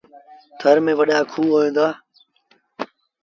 ٿر ميݩ وڏآ کوه هوئيݩ دآ۔